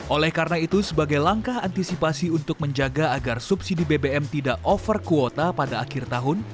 oleh karena itu sebagai langkah antisipasi untuk menjaga agar subsidi bbm tidak over kuota pada akhir tahun